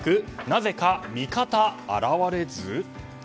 なぜか味方現れず？